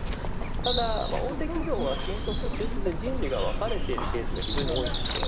ただ、大手企業は新卒と中途で人事が分かれているケースが多いです。